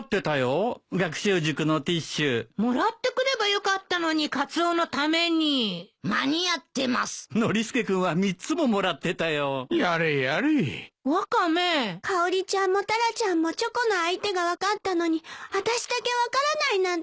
かおりちゃんもタラちゃんもチョコの相手が分かったのにあたしだけ分からないなんて。